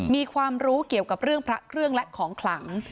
มีความรู้เกี่ยวกับเรื่องพระเครื่องและของขลัง